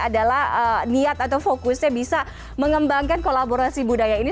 adalah niat atau fokusnya bisa mengembangkan kolaborasi budaya ini